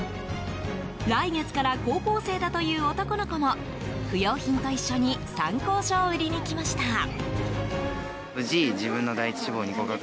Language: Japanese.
来月から高校生だという男の子も不要品と一緒に参考書を売りに来ました。